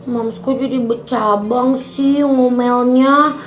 mamsku jadi becabang sih ngomelnya